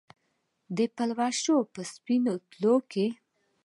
د پلوشو په سپینو تلو کې